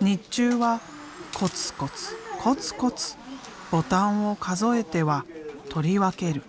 日中はコツコツコツコツボタンを数えては取り分ける。